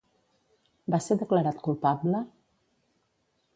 Va ser declarat culpable?